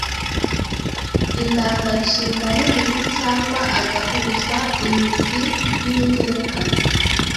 indanganshinga n’imizi cyangwa agahuza imizi n’ingereka.